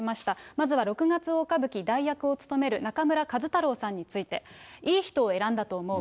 まずは六月大歌舞伎、代役を勤める中村壱太郎さんについて、いい人を選んだと思う。